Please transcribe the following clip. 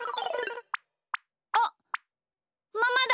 あっママだ！